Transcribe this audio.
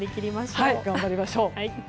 頑張りましょう。